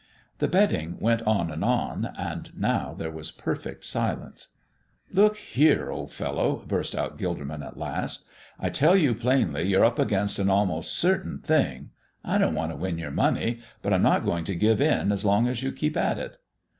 The betting went on and on, and now there was perfect silence. "Look here, old fellow," burst out Gilderman, at last, "I tell you plainly you're up against an almost certain thing. I don't want to win your money, but I'm not going to give in as long as you keep at it."